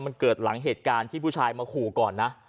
มันเกิดหลังเหตุการณ์ที่ผู้ชายมาขู่ก่อนนะ